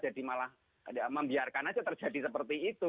jadi malah membiarkan aja terjadi seperti itu